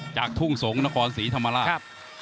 จากทุ่งสงศ์นครสีธรรมลา